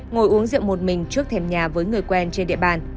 ngồi uống rượu một mình trước thềm nhà với người quen trên địa bàn